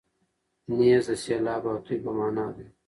نیز د سېلاب او توی په مانا دی.